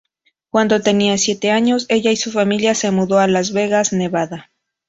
Cuando tenía siete años, ella y su familia se mudó a Las Vegas, Nevada.